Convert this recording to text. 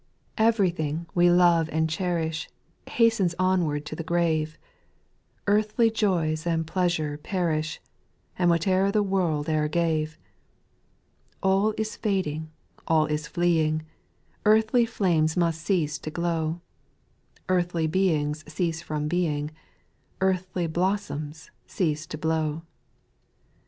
Everything we love and cherish, Hastens onward to the grave, Earthly joys and pleasures perish, And whatever the world e'er gave ; All is fading, all is fleeing, Earthly flames must cease to glow, Earthly beings cease from being, Earthly blossoms cease to blow.